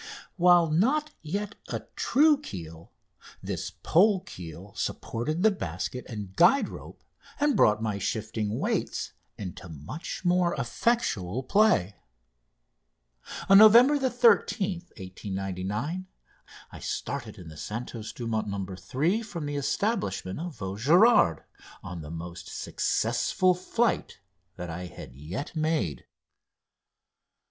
While not yet a true keel, this pole keel supported basket and guide rope and brought my shifting weights into much more effectual play. On November 13th, 1899, I started in the "Santos Dumont No. 3," from the establishment of Vaugirard, on the most successful flight that I had yet made.